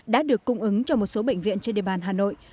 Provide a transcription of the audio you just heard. đã được cung ứng cho một số bệnh viện trên địa bàn hà nội